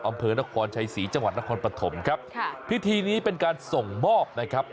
อำเภอนครชัยศรีจังหวัดนครปฐมครับค่ะพิธีนี้เป็นการส่งมอบนะครับ